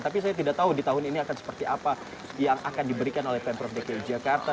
tapi saya tidak tahu di tahun ini akan seperti apa yang akan diberikan oleh pemprov dki jakarta